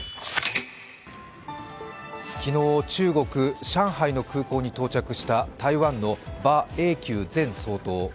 昨日、中国・上海の空港に到着した台湾の馬英九前総統。